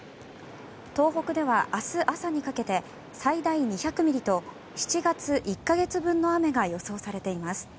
東北では明日朝にかけて最大２００ミリと７月１か月分の雨が予想されています。